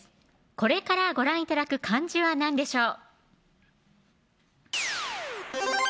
これからご覧頂く漢字は何でしょう